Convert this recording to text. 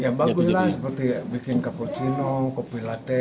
ya baguslah seperti bikin cappuccino kopi latte